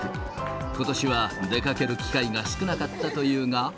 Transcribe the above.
ことしは出かける機会が少なかったというが。